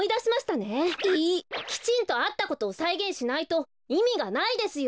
きちんとあったことをさいげんしないといみがないですよ！